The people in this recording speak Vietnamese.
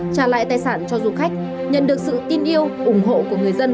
trả lại tài sản cho du khách nhận được sự tin yêu ủng hộ của người dân